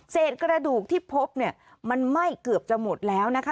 เศษกระดูกที่พบมันไม่เกือบจะหมดแล้วนะคะ